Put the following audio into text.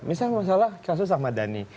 misal masalah kasus ahmad dhani